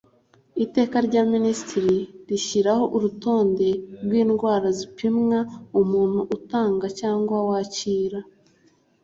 Iteka rya Minisitiri rishyiraho urutonde rw indwara zipimwa umuntu utanga cyangwa wakira